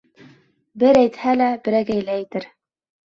Бер әйтһә лә берәгәйле әйтер.